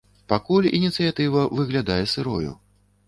Пакуль ініцыятыва выглядае сырою.